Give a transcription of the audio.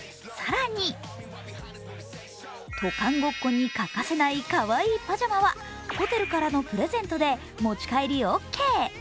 更に、渡韓ごっこに欠かせないかわいいパジャマはホテルからのプレゼントで持ち帰りオッケー。